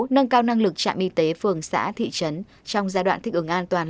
nâng cao năng lực trạm y tế phường xã thị trấn trong giai đoạn thích ứng an toàn